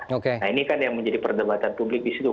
nah ini kan yang menjadi perdebatan publik disitu